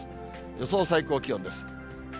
予想最高気温です。